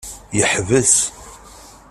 Yeḥbes.